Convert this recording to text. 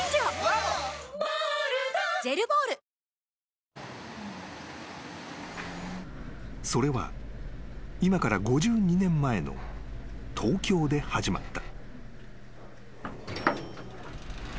ニトリ［それは今から５２年前の東京で始まった］